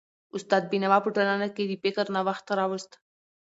استاد بينوا په ټولنه کي د فکر نوښت راوست.